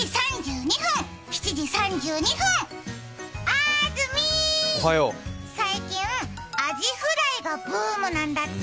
あーずみー、最近アジフライがブームなんだって。